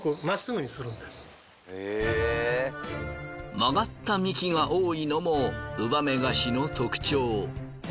曲がった幹が多いのもウバメガシの特徴。